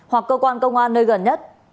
hoặc cơ quan công an nơi gần nhất